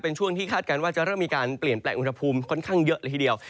เป็นช่วงที่คาดการณ์ว่าจะเริ่มมีการเปลี่ยนแปลงอุณหภูมิค่อนข้างเยอะเลยทีเดียว